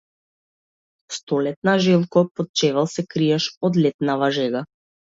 Столетна желко, под чевел се криеш од летнава жега!